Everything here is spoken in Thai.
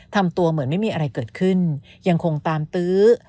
ทำตัวเหมือนไม่มีอะไรเกิดขึ้นยังคงตามตื้อ